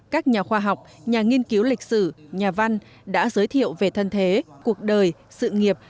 các nhà khoa học nhà nghiên cứu lịch sử nhà văn đã giới thiệu về thân thế cuộc đời sự nghiệp